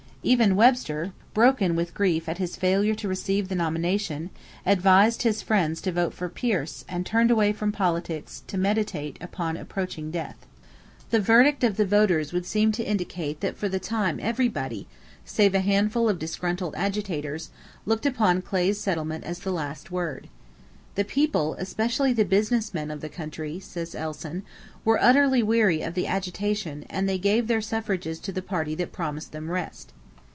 Even Webster, broken with grief at his failure to receive the nomination, advised his friends to vote for Pierce and turned away from politics to meditate upon approaching death. The verdict of the voters would seem to indicate that for the time everybody, save a handful of disgruntled agitators, looked upon Clay's settlement as the last word. "The people, especially the business men of the country," says Elson, "were utterly weary of the agitation and they gave their suffrages to the party that promised them rest."